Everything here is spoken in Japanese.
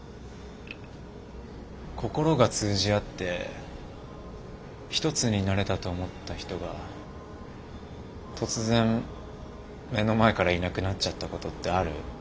心が通じ合って一つになれたと思った人が突然目の前からいなくなっちゃったことってある？